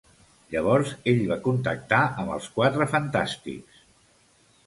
Llavors ell va contactar amb els Quatre Fantàstics.